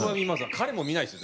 彼も見ないですよ